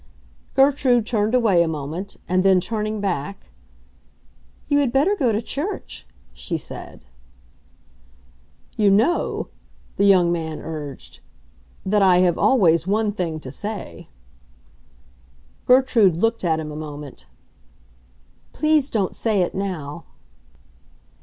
Gertrude turned away a moment; and then, turning back, "You had better go to church," she said. "You know," the young man urged, "that I have always one thing to say." Gertrude looked at him a moment. "Please don't say it now!"